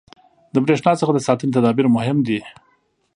• د برېښنا څخه د ساتنې تدابیر مهم دي.